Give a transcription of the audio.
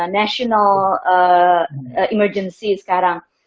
national emergency sekarang